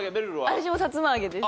私もさつま揚げです。